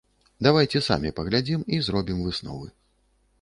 Давайце самі паглядзім і зробім высновы.